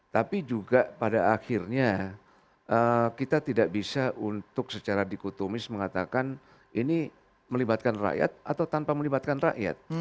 tapi juga pada akhirnya kita tidak bisa untuk secara dikotomis mengatakan ini melibatkan rakyat atau tanpa melibatkan rakyat